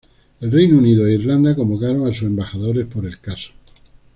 El Reino Unido e Irlanda convocaron a sus embajadores por el caso.